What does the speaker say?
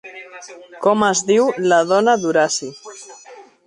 Com es diu la dona d'Horaci?